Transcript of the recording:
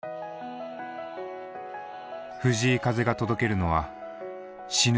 藤井風が届けるのは「死ぬのがいいわ」。